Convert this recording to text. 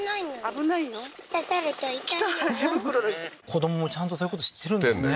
子供もちゃんとそういうこと知ってるんですね。